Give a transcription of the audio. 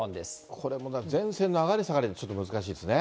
これも前線の上がり下がり、ちょっと難しいですね。